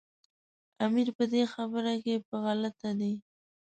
امیر په دې خبره کې په غلطه دی.